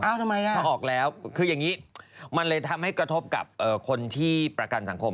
ทำไมอ่ะพอออกแล้วคืออย่างนี้มันเลยทำให้กระทบกับคนที่ประกันสังคม